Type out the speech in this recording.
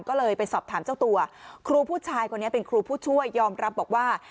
ก็เลยไปสอบถามเจ้าตัวครูผู้ชายคนนี้เป็นครูผู้ช่วยยอมรับบอกว่า